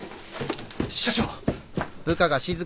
社長。